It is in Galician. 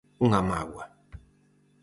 ¡Unha mágoa!